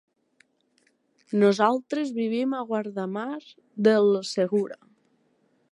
Nosaltres vivim a Guardamar del Segura.